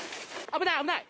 危ない！